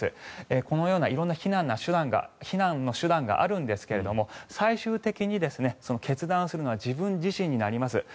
このような色んな避難の手段があるんですけれども最終的に決断するのは自分自身です。